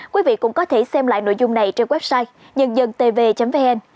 quý vị cũng có thể xem lại nội dung này trên website nhận dân tv vn